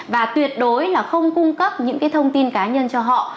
và tuyệt đối là không cung cấp những cái thông tin cá nhân cho họ